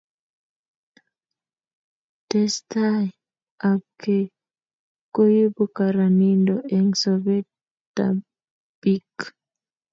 testai ab kei koibu karanindo eng' sobet ab piik